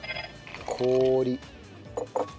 氷。